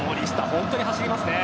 本当に走りますね。